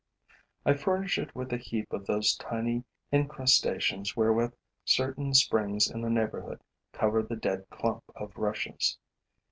I furnish it with a heap of those limy incrustations wherewith certain springs in the neighborhood cover the dead clump of rushes.